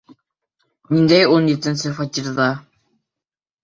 Ниндәй ун етенсе фатирҙа?